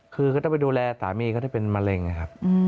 คือก็ต้องไปดูแลสามีเขาที่เป็นมะเร็งนะครับ